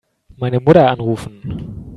Meine Mutter anrufen.